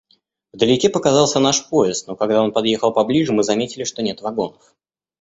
Вдалеке показался наш поезд, но когда он подъехал поближе, мы заметили, что нет вагонов.